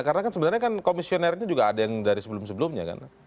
karena sebenarnya komisionernya juga ada yang dari sebelum sebelumnya